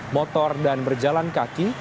motor dan berjalan kaki